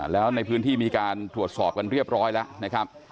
แล้วในพื้นที่มีการตรวจสอบกันเรียบร้อยแล้วนะครับ